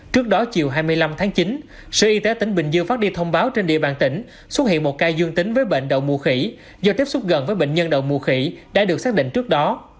trước đó chiều hai mươi năm tháng chín sở y tế tỉnh bình dương phát đi thông báo trên địa bàn tỉnh xuất hiện một ca dương tính với bệnh đậu mùa khỉ do tiếp xúc gần với bệnh nhân đậu mùa khỉ đã được xác định trước đó